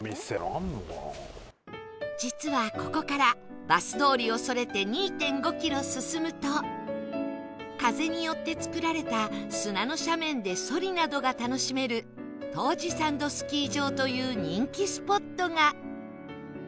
実はここからバス通りをそれて ２．５ キロ進むと風によって作られた砂の斜面でソリなどが楽しめる田牛サンドスキー場という人気スポットが